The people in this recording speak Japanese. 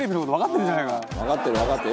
わかってるわかってる。